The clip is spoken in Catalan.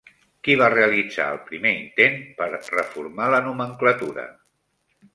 Qui va realitzar el primer intent per reformar la nomenclatura?